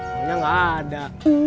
pokoknya nggak ada